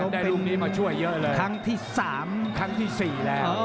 ได้รุ่นนี้มาช่วยเยอะเลยครั้งที่สามครั้งที่สี่แหละ